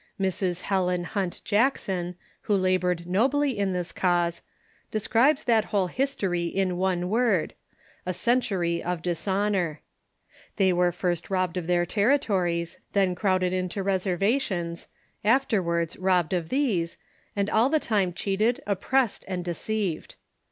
Mrs. Helen Hunt Jackson, who labored nobly in this cause, describes The Indians ,, i ,..*, r t that whole historj'' in one word — a century of dis honor. They were first robbed of their territories, then crowd ed into reservations, afterwards robbed of these, and all the time cheated, oppressed, and deceived.